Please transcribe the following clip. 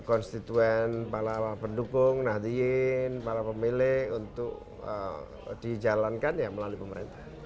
konstituen para pendukung nahdiyin para pemilih untuk dijalankan ya melalui pemerintah